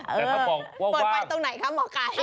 แต่ถ้าบอกว่าว่าง